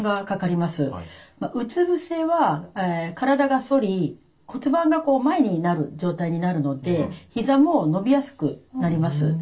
うつ伏せは体が反り骨盤がこう前になる状態になるのでひざも伸びやすくなります。